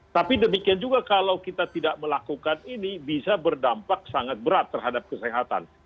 tapi demikian juga kalau kita tidak melakukan ini bisa berdampak sangat berat terhadap kesehatan